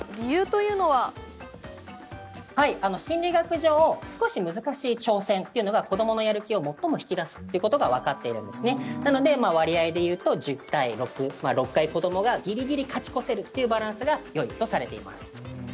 悔しいはい心理学上少し難しい挑戦っていうのが子どものやる気を最も引き出すっていうことがわかっているんですねなので割合で言うと１０対６まあ６回子どもがギリギリ勝ち越せるっていうバランスが良いとされています